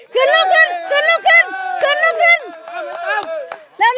ขึ้นขึ้น